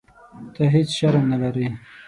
ته هیح شرم نه لرې.